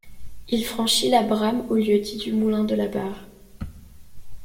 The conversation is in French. Il franchit la Brame au lieu-dit du Moulin de la Barre.